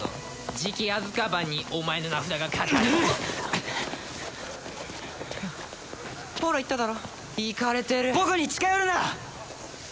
じきアズカバンにお前の名札がかかるほら言っただろイカれてる僕に近寄るな！